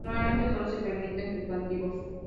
Normalmente sólo se permiten sustantivos.